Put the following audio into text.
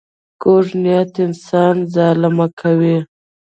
کوږ نیت انسان ظالم کوي